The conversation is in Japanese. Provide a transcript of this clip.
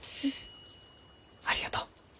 ありがとう。